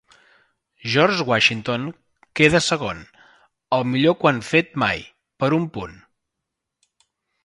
George Washington queda segon, el millor que ho han fet mai, per un punt.